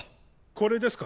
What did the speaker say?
これですか？